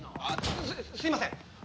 あっすいません。